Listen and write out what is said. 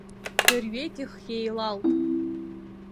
Дырҩегьых еилалт.